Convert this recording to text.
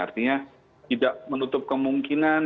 artinya tidak menutup kemungkinan